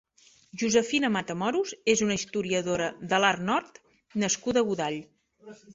Josefina Matamoros és una historiadora de l'art nord- nascuda a Godall.